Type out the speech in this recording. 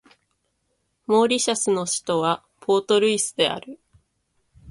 モーリシャスの首都はポートルイスである